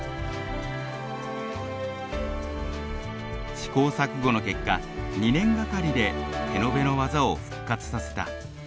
試行錯誤の結果２年がかりで手延べの技を復活させた。